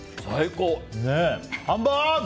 ハンバーグ！